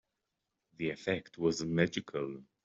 The effect was magical.